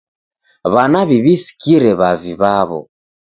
W'ana w'iw'isikire w'avi w'aw'o.